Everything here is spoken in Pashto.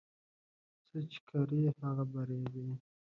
څه چې کرې، هغه به ريبې